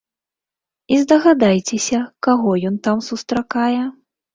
І здагадайцеся, каго ён там сустракае?